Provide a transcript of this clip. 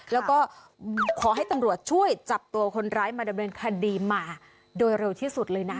แล้วก็ขอให้ตำรวจช่วยจับตัวคนร้ายมาดำเนินคดีมาโดยเร็วที่สุดเลยนะ